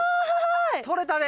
とれたね！